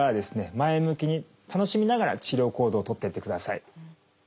前向きに楽しみながら治療行動を取っていってください。